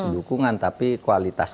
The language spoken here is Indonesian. dukungan tapi kualitas